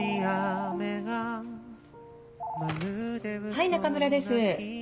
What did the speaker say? はい中村です。